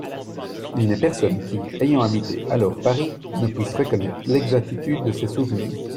Il n'est personne qui, ayant habité alors Paris, ne puisse reconnaître l'exactitude de ces souvenirs.